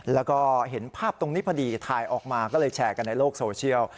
แล้วก็เห็นภาพตรงนี้พอดีถ่ายออกมาก็เลยแชร์กันในโลกโซเชียล